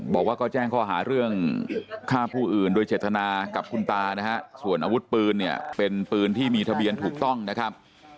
บอกว่าก็แจ้งข้อหาเรื่องฆ่าผู้อื่นโดยเจตนากับคุณตานะฮะส่วนอาวุธปืนเนี่ยเป็นปืนที่มีทะเบียนถูกต้องนะครับ